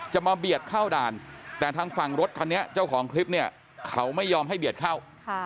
มาเบียดเข้าด่านแต่ทางฝั่งรถคันนี้เจ้าของคลิปเนี่ยเขาไม่ยอมให้เบียดเข้า